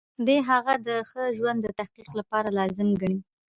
دی هغه د ښه ژوند د تحقق لپاره لازم ګڼي.